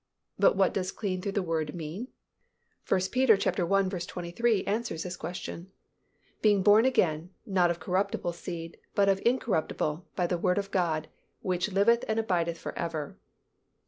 But what does clean through the word mean? 1 Peter i. 23 answers the question, "Being born again, not of corruptible seed, but of incorruptible, by the word of God, which liveth and abideth forever."